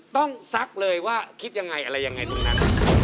ต้องซักเลยว่าคิดอย่างไรอะไรอย่างไรทุกนั้น